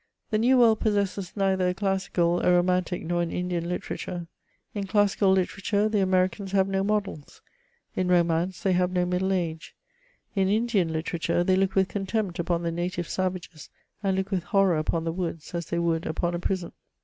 The New World possesses neither a classical, a romantic, nor an Indian literature ; in classical litera ture, the Americans have no models ; in romance they have no middle age ; in Indian literature, they look with contempt upon the native savages, and look with horror upon the woods, as they would upon a prison.